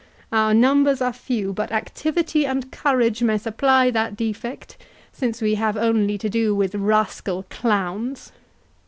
Our numbers are few, but activity and courage may supply that defect, since we have only to do with rascal clowns."